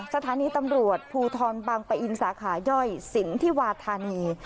สถานีตำรวจภูทรบางปะอินสาขาย่อยสินธิวาธานี